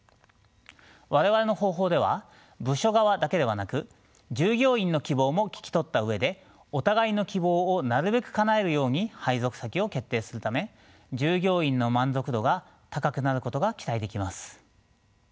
我々の方法では部署側だけではなく従業員の希望も聞き取った上でお互いの希望をなるべくかなえるように配属先を決定するため従業員の満足度が高くなることが期待できます。